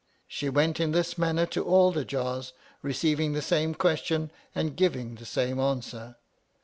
She went in this manner to all the jars, receiv ing the same question, and giving the same answer.